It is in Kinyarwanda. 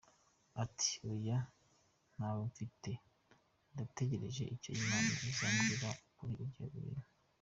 Ati “ Oya ntawe mfite , ndacyategereje icyo Imana izambwira kuri ibyo bintu.